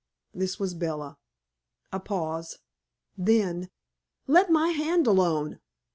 This was Bella. A pause. Then "Let my hand alone!"